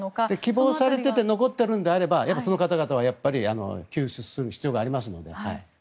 希望されていて残っているのであればその方々は救出する必要がありますので。